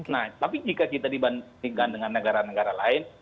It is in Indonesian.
nah tapi jika kita dibandingkan dengan negara negara lain